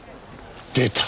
出た。